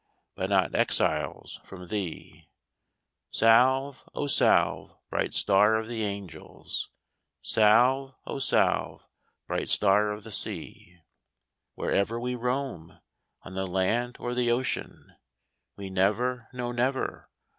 But not exiles from thee. Salve, O Salve, Bright Star of the Angels, Salve, O Salve, Bright Star of the Sea ; Wherever we roam. On the land or the ocean. We never, no, never.